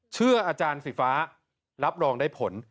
อาจารย์สีฟ้ารับรองได้ผล